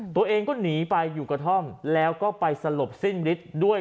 ตัวเองก็หนีไปอยู่กระท่อมแล้วก็ไปสลบสิ้นฤทธิ์ด้วย